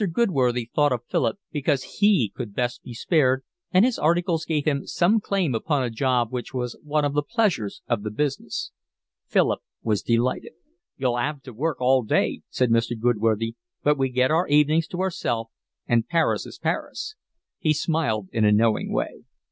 Goodworthy thought of Philip because he could best be spared, and his articles gave him some claim upon a job which was one of the pleasures of the business. Philip was delighted. "You'll 'ave to work all day," said Mr. Goodworthy, "but we get our evenings to ourselves, and Paris is Paris." He smiled in a knowing way.